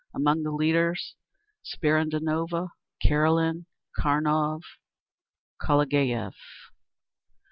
Among the leaders: Spiridonova, Karelin, Kamkov, Kalagayev.